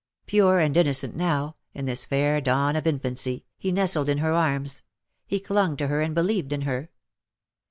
Pure and innocent now, in this fair dawn of infancy, he nestled in her arms — he clung to her and believed in her.